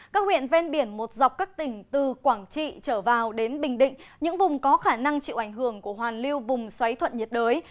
các huyện ven biển một dọc các tỉnh từ quảng trị trở vào đến bình định những vùng có khả năng chịu ảnh hưởng của hoàn lưu vùng xoáy thuận nhiệt đới